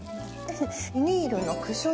ビニールのクッション材。